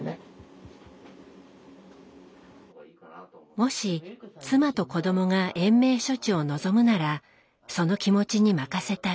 もし妻と子どもが延命処置を望むならその気持ちに任せたい。